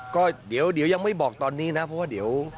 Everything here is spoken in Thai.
ก็เดี๋ยวยังไม่บอกตอนนี้นะเพราะว่าเดี๋ยว